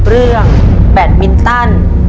เรื่องแบตมินตัน